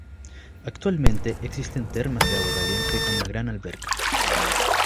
Actualmente existen termas de agua caliente con una gran alberca.